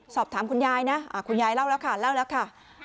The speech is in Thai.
สอบถามคุณยายนะคุณยายเล่าแล้วค่ะ